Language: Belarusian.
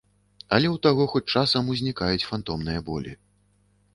Але ў таго хоць часам узнікаюць фантомныя болі.